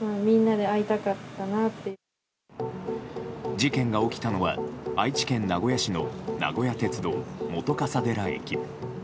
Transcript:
事件が起きたのは愛知県名古屋市の名古屋鉄道本笠寺駅。